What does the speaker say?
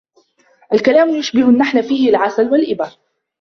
الكلام يشبه النحل فيه العسل والإبر.